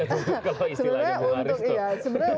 kalau istilahnya berlaris itu